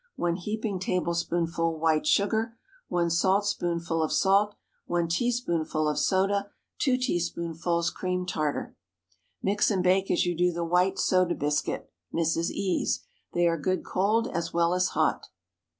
1 heaping tablespoonful white sugar. 1 saltspoonful of salt. 1 teaspoonful of soda. 2 teaspoonfuls cream tartar. Mix and bake as you do the white soda biscuit (Mrs. E——'s). They are good cold as well as hot.